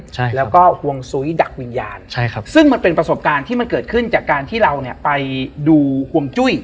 ใช่แล้วก็ห่วงซุ้ยดักวิญญาณใช่ครับซึ่งมันเป็นประสบการณ์ที่มันเกิดขึ้นจากการที่เราเนี่ยไปดูห่วงจุ้ย